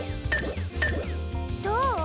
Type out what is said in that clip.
どう？